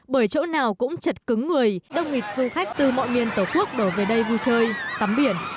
bởi chỗ nào cũng chật cứng người đông nghịch du khách từ mọi miền tổ quốc đổ về đây vui chơi tắm biển